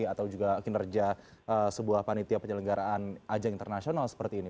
atau juga kinerja sebuah panitia penyelenggaraan ajang internasional seperti ini